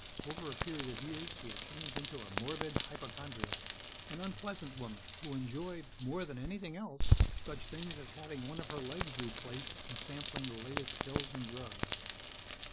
Over a period of years, she had changed into a morbid hypochondriac, an unpleasant woman who enjoyed more than anything else such things as having one of her legs replaced and sampling the latest pills and drugs.